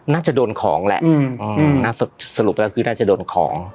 น่าจะโดนของแหละสรุปแล้วคือน่าจะโดนของ